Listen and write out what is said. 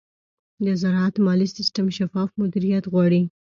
د زراعت مالي سیستم شفاف مدیریت غواړي.